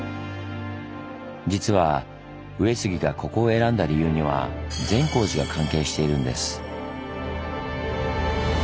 実は上杉がここを選んだ理由には善光寺が関係しているんです。